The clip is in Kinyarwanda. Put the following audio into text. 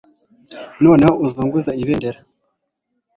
noneho uzunguze ibendera